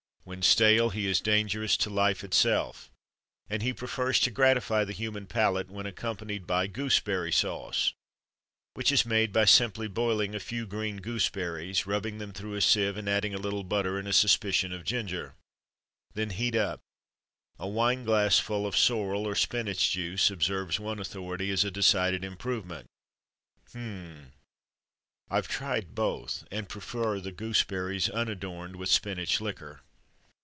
When stale he is dangerous to life itself. And he prefers to gratify the human palate when accompanied by Gooseberry Sauce, which is made by simply boiling a few green gooseberries, rubbing them through a sieve, and adding a little butter and a suspicion of ginger. Then heat up. "A wine glassful of sorrel or spinach juice," observes one authority, "is a decided improvement." H'm. I've tried both, and prefer the gooseberries unadorned with spinach liquor.